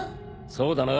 そうだな。